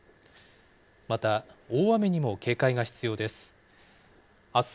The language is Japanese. また、大雨にも警戒が必要です。